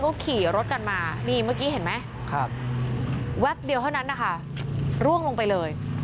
เขาขี่รถกันมานี่เมื่อกี้เห็นไหมแวบเดียวเท่านั้นนะคะร่วงลงไปเลย